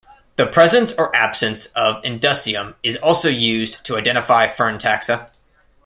The presence or absence of indusium is also used to identify fern taxa.